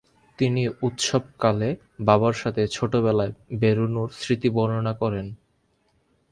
তিনি উৎসবকালে বাবার সাথে ছোটবেলায় বেরোনোর স্মৃতি বর্ণনা করেন।